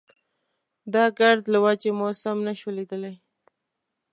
د ګرد له وجې مو سم نه شو ليدلی.